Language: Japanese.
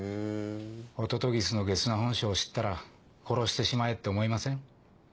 ホトトギスのゲスな本性を知ったら殺してしまえって思いません？